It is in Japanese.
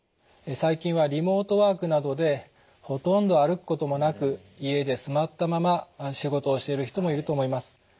最近はリモートワークなどでほとんど歩くこともなく家で座ったまま仕事をしている人もいると思います。